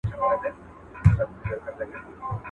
اسي پوهېږي، دوږخ ئې.